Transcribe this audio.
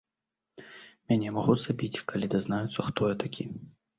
Мяне могуць забіць, калі дазнаюцца, хто я такі.